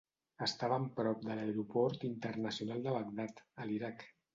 Estaven prop de l'Aeroport Internacional de Bagdad, a l'Iraq.